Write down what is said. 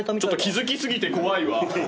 気付き過ぎて怖いわ。